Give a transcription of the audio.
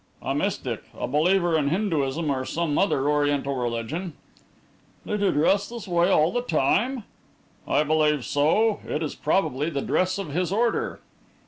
"A mystic a believer in Hinduism or some other Oriental religion." "Did he dress this way all the time?" "I believe so. It is probably the dress of his order."